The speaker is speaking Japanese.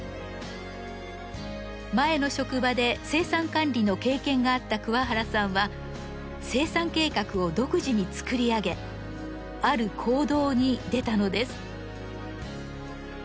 前の職場で生産管理の経験があった桑原さんは生産計画を独自に作り上げある行動に出たのです。